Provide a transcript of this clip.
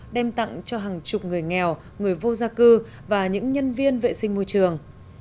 đem tặng cho hàng chục người nghèo người vô gia cư và những nhân viên vệ sinh môi trường